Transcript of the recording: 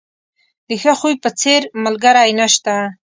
د ښه خوی په څېر، ملګری نشته.